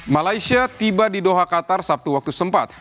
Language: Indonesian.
malaysia tiba di doha qatar sabtu waktu setempat